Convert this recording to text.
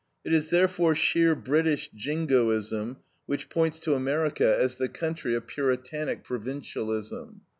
It is therefore sheer British jingoism which points to America as the country of Puritanic provincialism.